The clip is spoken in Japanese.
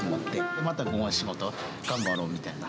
また午後、仕事頑張ろうみたいな。